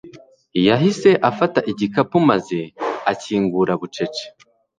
yahise afata igikapu maze akingura bucece